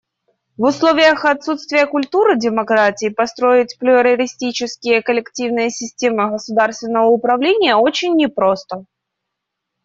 В условиях отсутствия культуры демократии построить плюралистические коллективные системы государственного управления очень не просто.